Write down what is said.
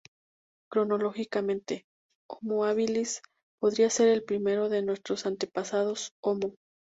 Cronológicamente, "Homo habilis" podría ser el primero de nuestros antepasados "Homo".